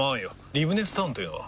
リブネスタウンというのは？